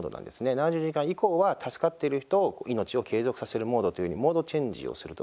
７２時間以降は助かってる人を命を継続させるモードというふうにモードチェンジをすると。